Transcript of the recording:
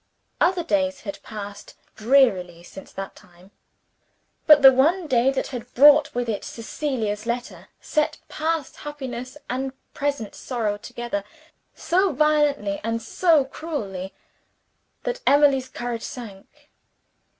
Other days had passed drearily since that time; but the one day that had brought with it Cecilia's letter set past happiness and present sorrow together so vividly and so cruelly that Emily's courage sank.